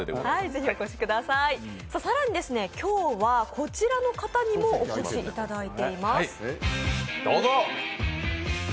更に今日はこちらの方にもお越しいただいています。